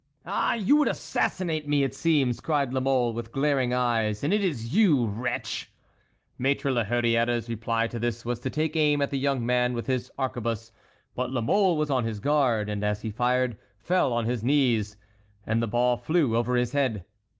"Ah, you would assassinate me, it seems!" cried La Mole, with glaring eyes; "and it is you, wretch!" Maître la Hurière's reply to this was to take aim at the young man with his arquebuse; but La Mole was on his guard, and as he fired, fell on his knees, and the ball flew over his head.